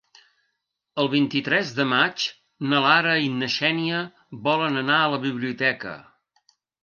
El vint-i-tres de maig na Lara i na Xènia volen anar a la biblioteca.